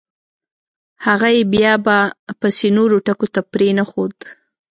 هغه یې بیا به … پسې نورو ټکو ته پرېنښود.